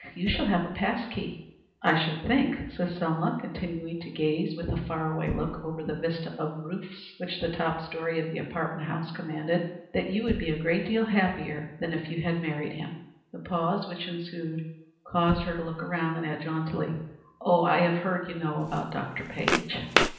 You shall have a pass key." "I should think," said Selma, continuing to gaze, with her far away look, over the vista of roofs which the top story of the apartment house commanded, "that you would be a great deal happier than if you had married him." The pause which ensued caused her to look round, and add jauntily, "I have heard, you know, about Dr. Page."